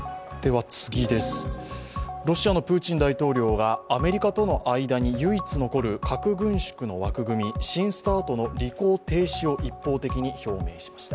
ロシアのプーチン大統領がアメリカとの間に唯一残る核軍縮の枠組み、新ＳＴＡＲＴの履行停止を一方的に表明しました。